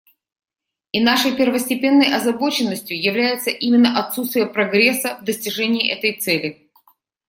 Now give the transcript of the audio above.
И нашей первостепенной озабоченностью является именно отсутствие прогресса в достижении этой цели.